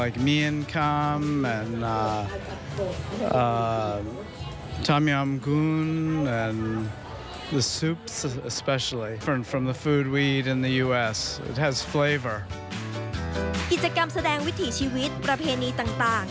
กิจกรรมแสดงวิถีชีวิตประเพณีต่าง